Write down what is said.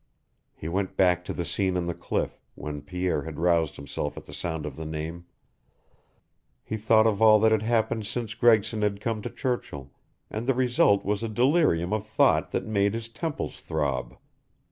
He went back to the scene on the cliff, when Pierre had roused himself at the sound of the name; he thought of all that had happened since Gregson had come to Churchill, and the result was a delirium of thought that made his temples throb.